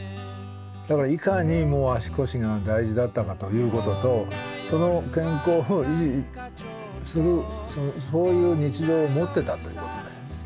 だからいかに足腰が大事だったかということとその健康を維持するそういう日常を持ってたということだよね。